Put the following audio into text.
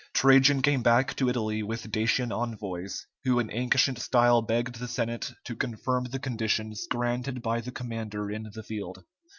Trajan came back to Italy with Dacian envoys, who in ancient style begged the Senate to confirm the conditions granted by the commander in the field.